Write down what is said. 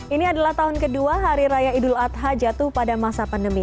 ini adalah tahun kedua hari raya idul adha jatuh pada masa pandemi